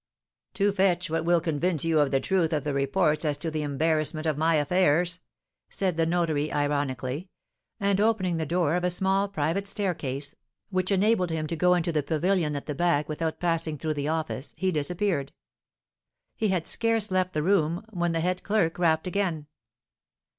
"To fetch what will convince you of the truth of the reports as to the embarrassment of my affairs," said the notary, ironically; and, opening the door of a small private staircase, which enabled him to go into the pavilion at the back without passing through the office, he disappeared. He had scarce left the room, when the head clerk rapped again.